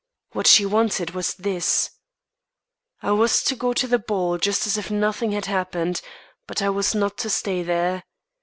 What she wanted was this: I was to go to the ball just as if nothing had happened, but I was not to stay there.